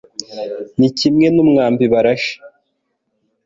ni kimwe n'umwambi barashe